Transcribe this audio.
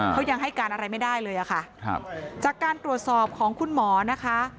เขายังให้การอะไรไม่ได้เลยอะค่ะครับจากการตรวจสอบของคุณหมอนะคะ